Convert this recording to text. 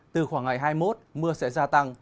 từ khoảng ngày hai mươi một mưa sẽ gia tăng